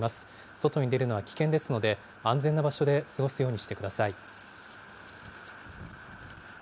外に出るのは危険ですので、安全な場所で過ごすようにしてください。